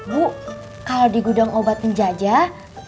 bu kalau di gudang obat penjajah